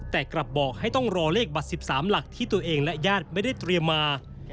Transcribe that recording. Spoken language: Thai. แต่กลับบอกให้ต้องรอเลขบัตร๑๓หลักที่ตัวเองและญาติไม่ได้เตรียมมา